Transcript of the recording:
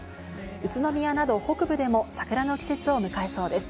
宇都宮など北部でも桜の季節を迎えそうです。